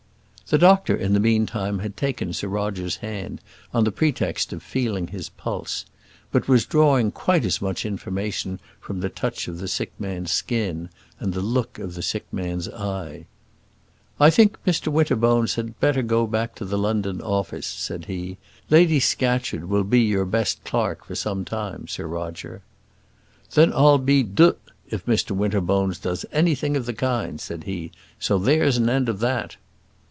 The doctor, in the meantime, had taken Sir Roger's hand on the pretext of feeling his pulse, but was drawing quite as much information from the touch of the sick man's skin, and the look of the sick man's eye. "I think Mr Winterbones had better go back to the London office," said he. "Lady Scatcherd will be your best clerk for some time, Sir Roger." "Then I'll be d if Mr Winterbones does anything of the kind," said he; "so there's an end of that."